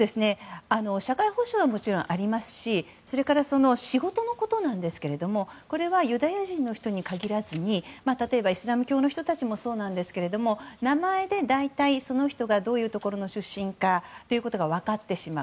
社会保障はもちろん、ありますしそれから仕事のことなんですけどユダヤ人に限らずに例えばイスラム教の人たちもそうですけど名前で大体その人がどういうところの出身かが分かってしまう。